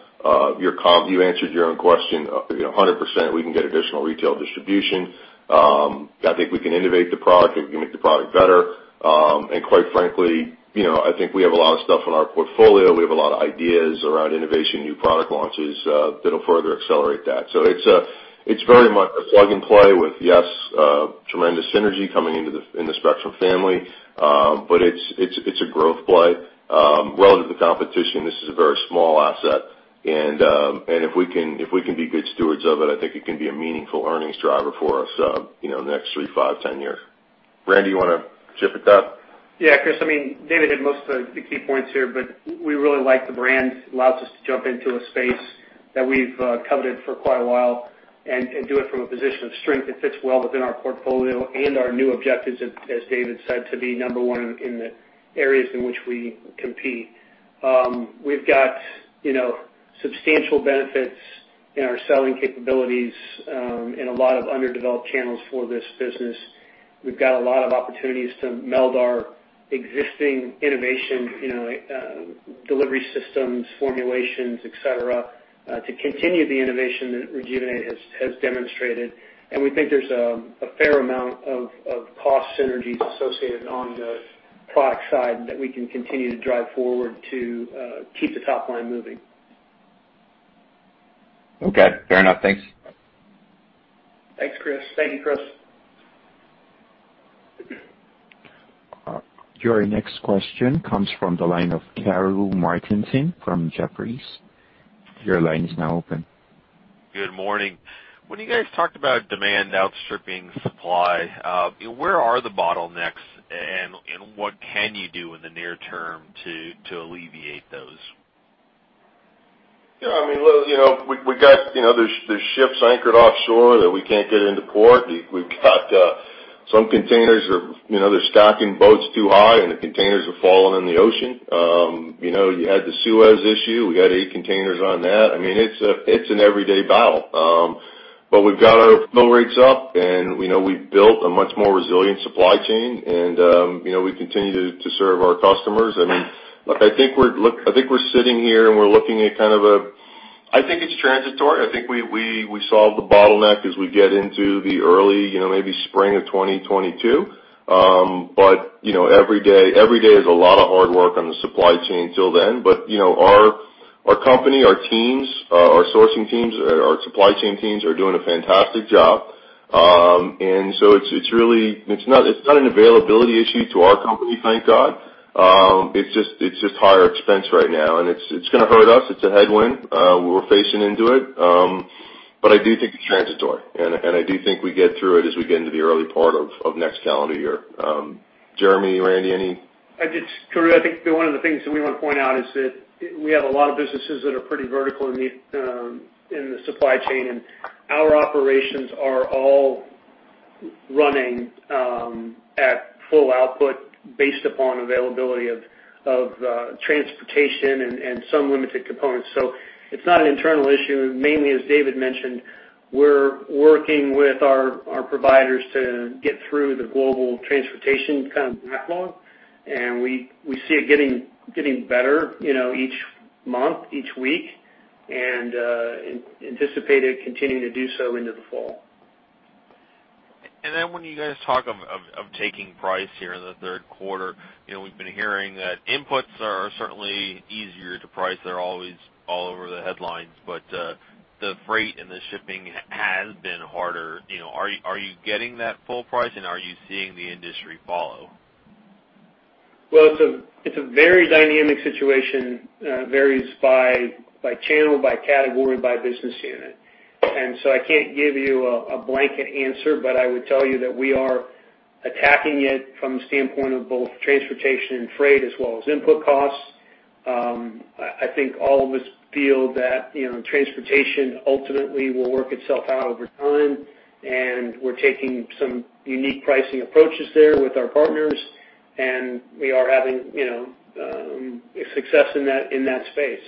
Speaker 3: You answered your own question, 100%, we can get additional retail distribution. I think we can innovate the product; I think we can make the product better. Quite frankly, I think we have a lot of stuff in our portfolio. We have a lot of ideas around innovation, new product launches that'll further accelerate that. It's very much a plug-and-play with, yes, tremendous synergy coming into the Spectrum family. It's a growth play. Relative to competition, this is a very small asset, and if we can be good stewards of it, I think it can be a meaningful earnings driver for us the next three, five, 10 years. Randy, you want to chip at that?
Speaker 5: Yeah. Chris, I mean, David hit most of the key points here, but we really like the brand. It allows us to jump into a space that we've coveted for quite a while and do it from a position of strength. It fits well within our portfolio and our new objectives, as David said, to be number one in the areas in which we compete. We've got substantial benefits in our selling capabilities in a lot of underdeveloped channels for this business. We've got a lot of opportunities to meld our existing innovation delivery systems, formulations, et cetera, to continue the innovation that Rejuvenate has demonstrated, and we think there's a fair amount of cost synergies associated on the product side that we can continue to drive forward to keep the top line moving.
Speaker 7: Okay, fair enough. Thanks.
Speaker 5: Thanks, Chris.
Speaker 3: Thank you, Chris.
Speaker 1: Your next question comes from the line of Karru Martinson from Jefferies. Your line is now open.
Speaker 8: Good morning. When you guys talked about demand outstripping supply, where are the bottlenecks and what can you do in the near term to alleviate those?
Speaker 3: Yeah. I mean, there's ships anchored offshore that we can't get into port. We've got some containers, they're stocking boats too high, and the containers are falling in the ocean. You had the Suez issue; we got eight containers on that. It's an everyday battle. We've got our fill rates up, and we've built a much more resilient supply chain, and we continue to serve our customers. I think we're sitting here and we're looking at kind of a, I think it's transitory. I think we solve the bottleneck as we get into the early, maybe spring of 2022. Every day is a lot of hard work on the supply chain till then. But our company, our teams, our sourcing teams, our supply chain teams are doing a fantastic job. It's not an availability issue to our company, thank God. It's just higher expense right now, and it's going to hurt us. It's a headwind. We're facing into it. But I do think it's transitory, and I do think we get through it as we get into the early part of next calendar year. Jeremy, Randy, any?
Speaker 5: Karru, I think one of the things that we want to point out is that we have a lot of businesses that are pretty vertical in the supply chain, and our operations are all running at full output based upon availability of transportation and some limited components. It's not an internal issue. Mainly, as David mentioned, we're working with our providers to get through the global transportation kind of backlog, and we see it getting better each month, each week and anticipate it continuing to do so into the fall.
Speaker 8: When you guys talk of taking price here in the third quarter, we've been hearing that inputs are certainly easier to price. They're always all over the headlines. But the freight and the shipping has been harder. Are you getting that full price, and are you seeing the industry follow?
Speaker 5: Well, it's a very dynamic situation, varies by channel, by category, by business unit. I can't give you a blanket answer, but I would tell you that we are attacking it from the standpoint of both transportation and freight as well as input costs. I think all of us feel that transportation ultimately will work itself out over time, and we're taking some unique pricing approaches there with our partners, and we are having success in that space.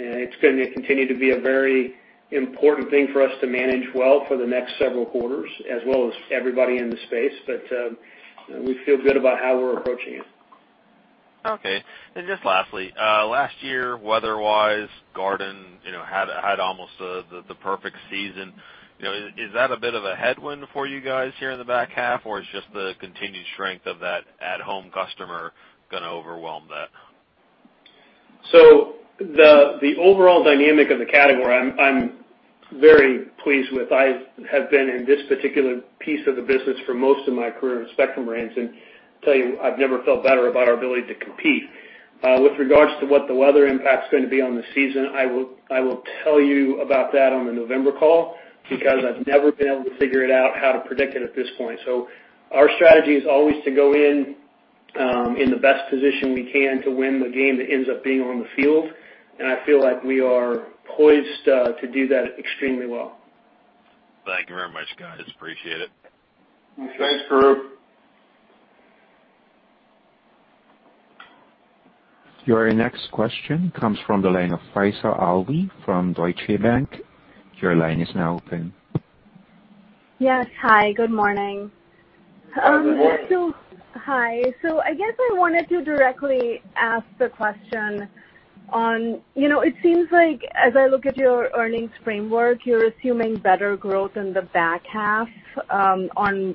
Speaker 5: It's going to continue to be a very important thing for us to manage well for the next several quarters as well as everybody in the space, but we feel good about how we're approaching it.
Speaker 8: Okay. Just lastly, last year, weather-wise, Garden had almost the perfect season. Is that a bit of a headwind for you guys here in the back half, or is just the continued strength of that at-home customer going to overwhelm that?
Speaker 5: The overall dynamic of the category, I'm very pleased with. I have been in this particular piece of the business for most of my career in Spectrum Brands and tell you, I've never felt better about our ability to compete. With regards to what the weather impact is going to be on the season, I will tell you about that on the November call because I've never been able to figure it out how to predict it at this point. Our strategy is always to go in in the best position we can to win the game that ends up being on the field, and I feel like we are poised to do that extremely well.
Speaker 8: Thank you very much, guys. Appreciate it.
Speaker 3: Thanks, Karru.
Speaker 1: Your next question comes from the line of Faiza Alwy from Deutsche Bank. Your line is now open.
Speaker 9: Yes. Hi, good morning.
Speaker 3: Good morning.
Speaker 9: Hi. I guess I wanted to directly ask the question. It seems like, as I look at your earnings framework, you're assuming better growth in the back half, at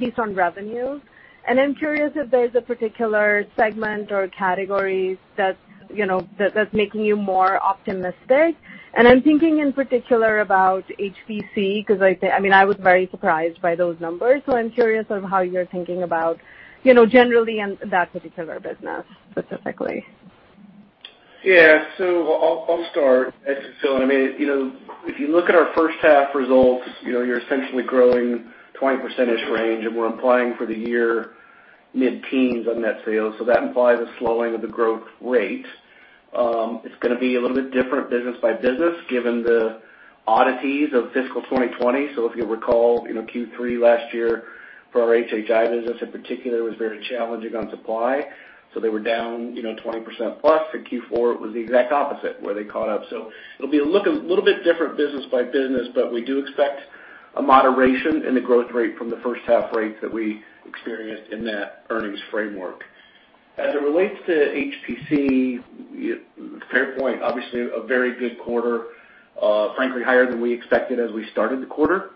Speaker 9: least on revenue. I'm curious if there's a particular segment or category that's making you more optimistic. I'm thinking in particular about HPC, because I was very surprised by those numbers. I'm curious of how you're thinking about generally and that particular business specifically.
Speaker 4: Yeah. I'll start. If you look at our first half results, you're essentially growing 20% range, and we're implying for the year mid-teens on net sales. That implies a slowing of the growth rate. It's going to be a little bit different business by business given the oddities of fiscal 2020. If you'll recall, in Q3 last year, for our HHI business in particular, was very challenging on supply. They were down 20%+. In Q4, it was the exact opposite where they caught up. It'll be a little bit different business by business, but we do expect a moderation in the growth rate from the first half rate that we experienced in that earnings framework. As it relates to HPC, fair point, obviously a very good quarter, frankly higher than we expected as we started the quarter.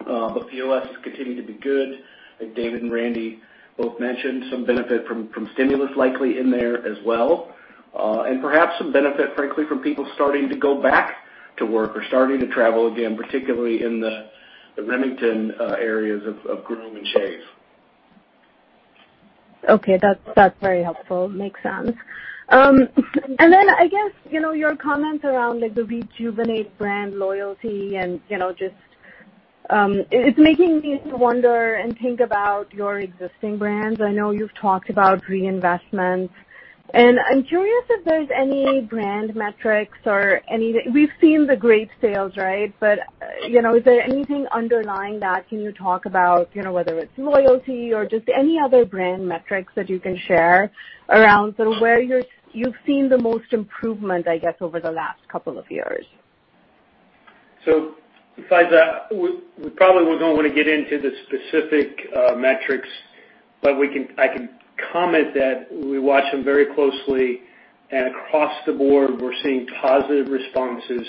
Speaker 4: POS has continued to be good. I think David and Randy both mentioned some benefit from stimulus likely in there as well. Perhaps some benefit, frankly, from people starting to go back to work or starting to travel again, particularly in the Remington areas of groom and shave.
Speaker 9: Okay. That's very helpful. Makes sense. I guess, your comments around the Rejuvenate brand loyalty, it's making me wonder and think about your existing brands. I know you've talked about reinvestments, and I'm curious if there's any brand metrics or any, we've seen the great sales, right? But is there anything underlying that can you talk about, whether it's loyalty or just any other brand metrics that you can share around sort of where you've seen the most improvement, I guess, over the last couple of years?
Speaker 5: Faiza, we probably don't want to get into the specific metrics, but I can comment that we watch them very closely, and across the board, we're seeing positive responses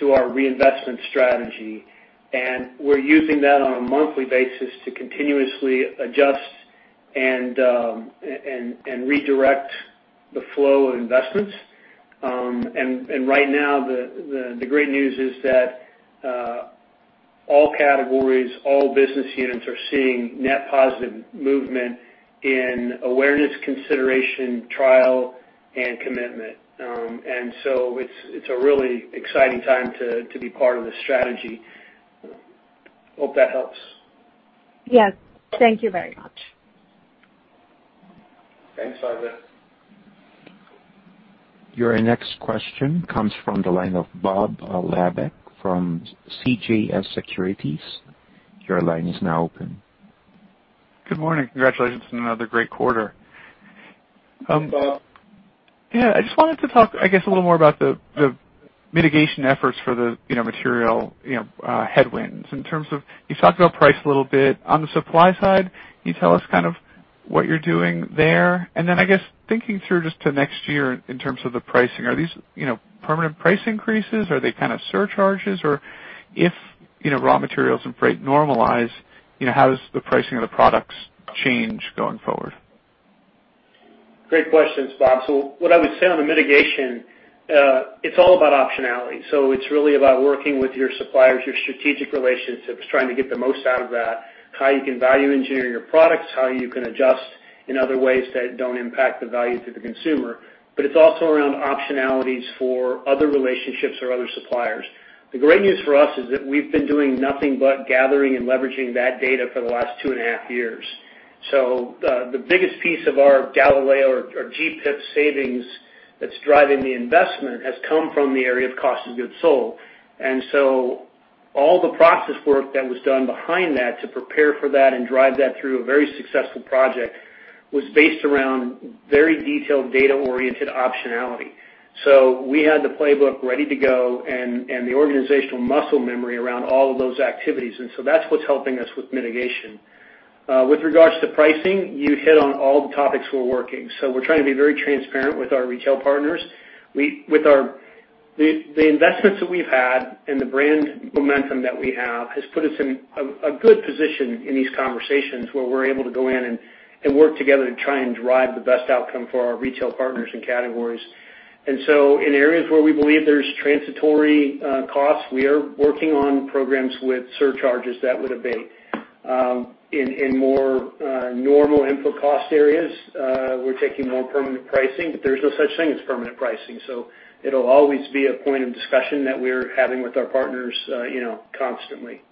Speaker 5: to our reinvestment strategy. We're using that on a monthly basis to continuously adjust and redirect the flow of investments. Right now, the great news is that all categories, all business units are seeing net positive movement in awareness, consideration, trial, and commitment. It's a really exciting time to be part of the strategy. Hope that helps.
Speaker 9: Yes. Thank you very much.
Speaker 5: Thanks, Faiza.
Speaker 1: Your next question comes from the line of Bob Labick from CJS Securities. Your line is now open.
Speaker 10: Good morning. Congratulations on another great quarter.
Speaker 3: Thanks, Bob.
Speaker 10: Yeah, I just wanted to talk, I guess, a little more about the mitigation efforts for the material headwinds in terms of, you've talked about price a little bit. On the supply side, can you tell us what you're doing there? I guess, thinking through just to next year in terms of the pricing, are these permanent price increases? Are they kind of surcharges? If raw materials and freight normalize, how does the pricing of the products change going forward?
Speaker 5: Great questions, Bob. What I would say on the mitigation, it's all about optionality. It's really about working with your suppliers, your strategic relationships, trying to get the most out of that, how you can value engineer your products, how you can adjust in other ways that don't impact the value to the consumer. It's also around optionalities for other relationships or other suppliers. The great news for us is that we've been doing nothing but gathering and leveraging that data for the last two and a half years. The biggest piece of our Galileo or GPIP savings that's driving the investment has come from the area of cost of goods sold. All the process work that was done behind that to prepare for that and drive that through a very successful project was based around very detailed data-oriented optionality. We had the playbook ready to go and the organizational muscle memory around all of those activities. That's what's helping us with mitigation. With regards to pricing, you hit on all the topics we're working. We're trying to be very transparent with our retail partners. The investments that we've had and the brand momentum that we have has put us in a good position in these conversations where we're able to go in and work together to try and drive the best outcome for our retail partners and categories. In areas where we believe there's transitory costs, we are working on programs with surcharges that would abate. In more normal input cost areas, we're taking more permanent pricing, but there's no such thing as permanent pricing, so it'll always be a point of discussion that we're having with our partners constantly.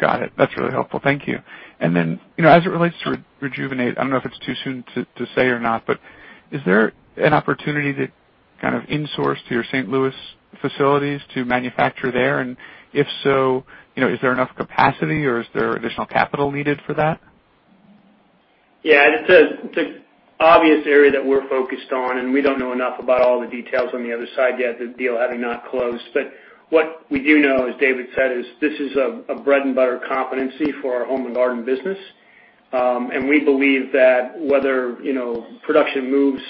Speaker 10: Got it. That's really helpful. Thank you. As it relates to Rejuvenate, I don't know if it's too soon to say or not, but is there an opportunity to kind of insource to your St. Louis facilities to manufacture there? If so, is there enough capacity or is there additional capital needed for that?
Speaker 5: Yeah, it's an obvious area that we're focused on. We don't know enough about all the details on the other side yet, the deal having not closed. What we do know, as David said, is this is a bread-and-butter competency for our Home & Garden business. We believe that whether production moves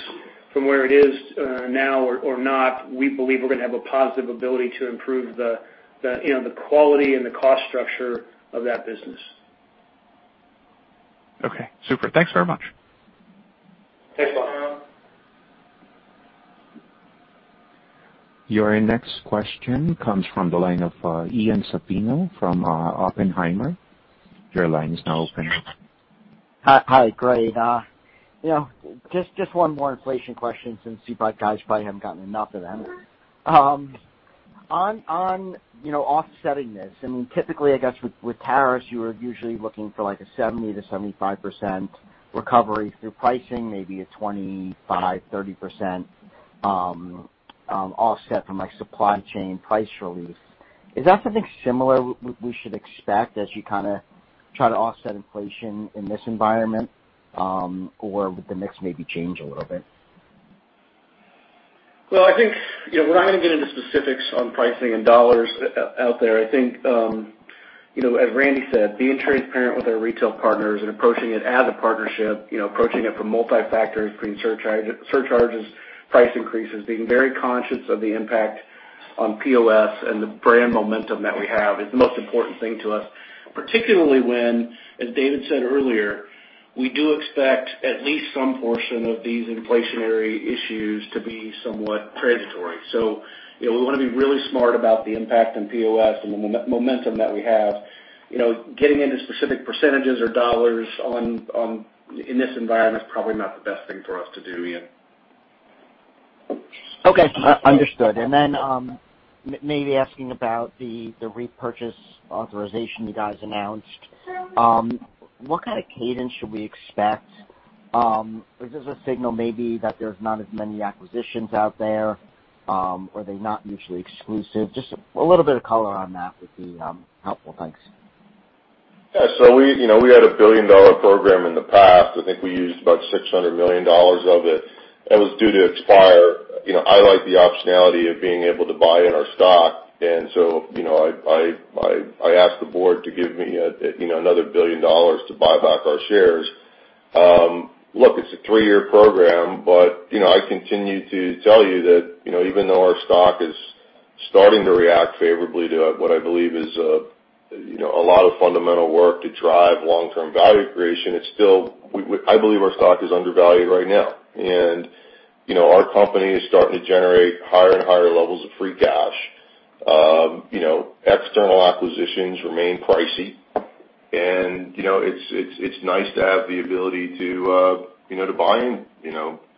Speaker 5: from where it is now or not, we believe we're going to have a positive ability to improve the quality and the cost structure of that business.
Speaker 10: Okay, super. Thanks very much.
Speaker 5: Thanks, Bob.
Speaker 1: Your next question comes from the line of Ian Zaffino from Oppenheimer. Your line is now open.
Speaker 11: Hi. Great. Just one more inflation question, since you guys probably haven't gotten enough of them. On offsetting this, I mean, typically, I guess with tariffs, you are usually looking for like a 70%-75% recovery through pricing, maybe a 25%-30% offset from supply chain price relief. Is that something similar we should expect as you kind of try to offset inflation in this environment? Would the mix maybe change a little bit?
Speaker 4: Well, I think we're not going to get into specifics on pricing and dollars out there. I think, as Randy said, being transparent with our retail partners and approaching it as a partnership, approaching it from multi-factors, putting surcharges, price increases, being very conscious of the impact on POS and the brand momentum that we have is the most important thing to us, particularly when, as David said earlier, we do expect at least some portion of these inflationary issues to be somewhat transitory. We want to be really smart about the impact in POS and the momentum that we have. Getting into specific percentages or dollars in this environment is probably not the best thing for us to do, Ian.
Speaker 11: Okay. Understood. Maybe asking about the repurchase authorization you guys announced. What kind of cadence should we expect? Is this a signal maybe that there's not as many acquisitions out there? Are they not mutually exclusive? Just a little bit of color on that would be helpful. Thanks.
Speaker 3: We had a billion-dollar program in the past. I think we used about $600 million of it. That was due to expire. I like the optionality of being able to buy in our stock, and so I asked the board to give me another $1 billion to buy back our shares. Look, it's a three-year program, but I continue to tell you that even though our stock is starting to react favorably to what I believe is a lot of fundamental work to drive long-term value creation, still, I believe our stock is undervalued right now. Our company is starting to generate higher and higher levels of free cash. External acquisitions remain pricey, and it's nice to have the ability to buy in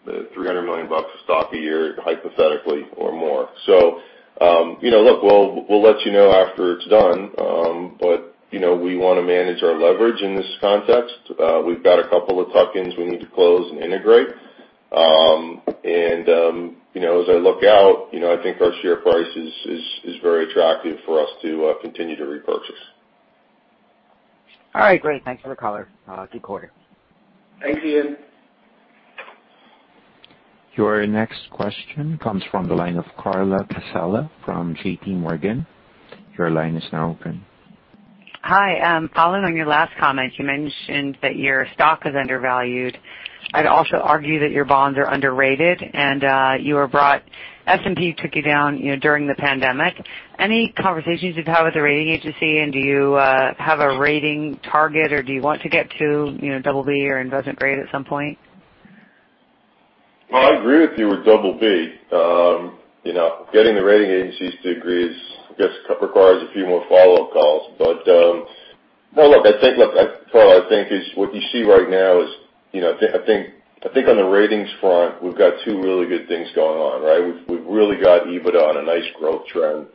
Speaker 3: the $300 million of stock a year, hypothetically, or more. Look, we'll let you know after it's done, but we want to manage our leverage in this context. We've got a couple of tuck-ins we need to close and integrate. As I look out, I think our share price is very attractive for us to continue to repurchase.
Speaker 11: All right, great. Thanks for the color. Good quarter.
Speaker 3: Thanks, Ian.
Speaker 1: Your next question comes from the line of Carla Casella from JPMorgan. Your line is now open.
Speaker 12: Hi. Following on your last comment, you mentioned that your stock is undervalued. I'd also argue that your bonds are underrated, and S&P took you down during the pandemic. Any conversations you've had with the rating agency, and do you have a rating target, or do you want to get to BB or investment grade at some point?
Speaker 3: I agree with you with BB. Getting the rating agencies to agree, I guess, requires a few more follow-up calls. Look, Carla, I think what you see right now is, I think on the ratings front, we've got two really good things going on, right? We've really got EBITDA on a nice growth trend.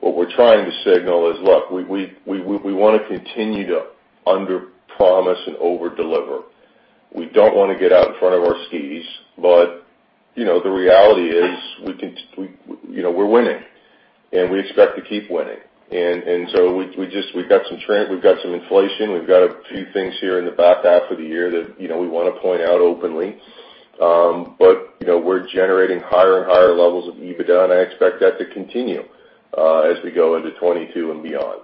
Speaker 3: What we're trying to signal is, look, we want to continue to underpromise and overdeliver. We don't want to get out in front of our skis, but the reality is we're winning, and we expect to keep winning. We've got some trend, we've got some inflation, we've got a few things here in the back half of the year that we want to point out openly. We're generating higher and higher levels of EBITDA, and I expect that to continue as we go into 2022 and beyond.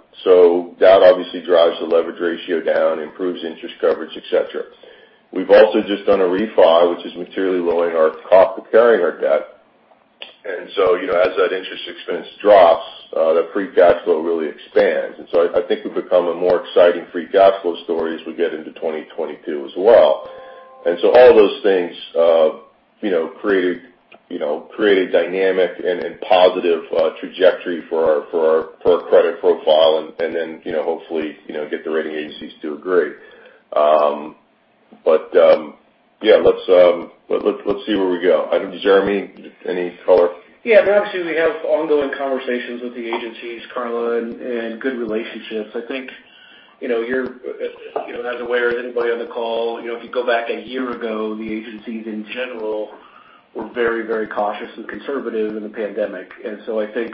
Speaker 3: That obviously drives the leverage ratio down, improves interest coverage, et cetera. We've also just done a refi, which is materially lowering our cost of carrying our debt. As that interest expense drops, that free cash flow really expands. I think we've become a more exciting free cash flow story as we get into 2022 as well. All of those things create a dynamic and positive trajectory for our credit profile and then, hopefully, get the rating agencies to agree. Yeah, let's see where we go. Jeremy, any color?
Speaker 4: Yeah. Obviously, we have ongoing conversations with the agencies, Carla, and good relationships. I think you're as aware as anybody on the call, if you go back a year ago, the agencies in general were very, very cautious and conservative in the pandemic. I think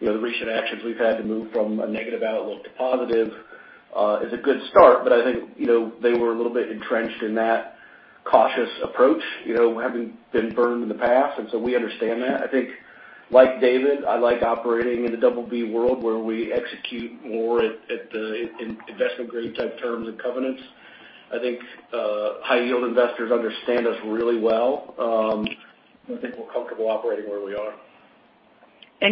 Speaker 4: the recent actions we've had to move from a negative outlook to positive is a good start, but I think they were a little bit entrenched in that cautious approach, having been burned in the past, and so we understand that. I think, like David, I like operating in the BB world where we execute more at the investment-grade type terms and covenants. I think high-yield investors understand us really well. I think we're comfortable operating where we are.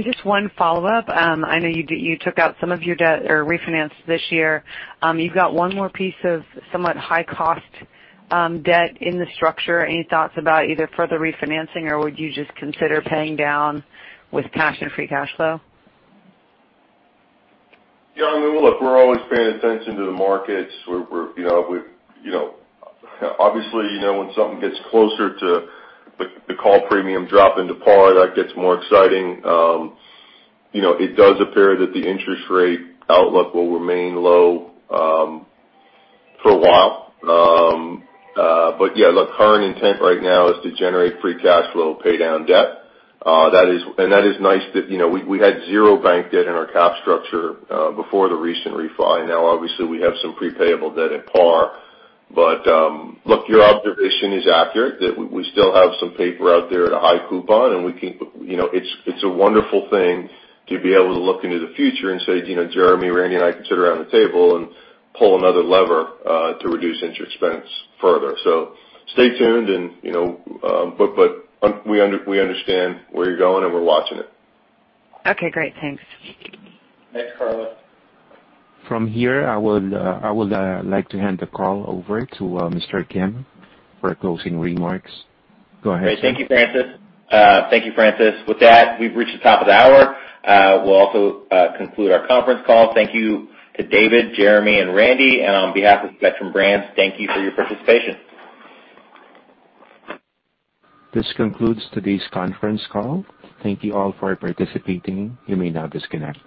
Speaker 12: Just one follow-up. I know you took out some of your debt or refinanced this year. You've got one more piece of somewhat high-cost debt in the structure. Any thoughts about either further refinancing, or would you just consider paying down with cash and free cash flow?
Speaker 3: Yeah. I mean, look, we're always paying attention to the markets. Obviously, when something gets closer to the call premium dropping to par, that gets more exciting. It does appear that the interest rate outlook will remain low for a while. Yeah, look, current intent right now is to generate free cash flow, pay down debt. That is nice that we had zero bank debt in our cap structure before the recent refi. Now, obviously, we have some pre-payable debt at par. Look, your observation is accurate that we still have some paper out there at a high coupon, and it's a wonderful thing to be able to look into the future and say, Jeremy, Randy, and I can sit around the table and pull another lever to reduce interest expense further. Stay tuned, but we understand where you're going, and we're watching it.
Speaker 12: Okay, great. Thanks.
Speaker 3: Thanks, Carla.
Speaker 1: From here, I would like to hand the call over to Mr. Kim for closing remarks. Go ahead, sir.
Speaker 2: Great. Thank you, Francis. Thank you, Francis. With that, we've reached the top of the hour. We'll also conclude our conference call. Thank you to David, Jeremy, and Randy. On behalf of Spectrum Brands, thank you for your participation.
Speaker 1: This concludes today's conference call. Thank you all for participating. You may now disconnect.